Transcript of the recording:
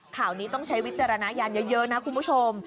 ข่าวนี้ต้องใช้วิจารณญาณเยอะนะคุณผู้ชม